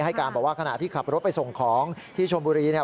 การบอกว่าขณะที่ขับรถไปส่งของที่ชมบุรีเนี่ย